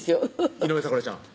井上咲楽ちゃん